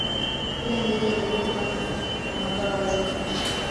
Kila ndege huruka na mbawa zake